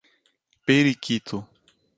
Periquito